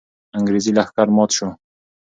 انګریزي لښکر مات سو.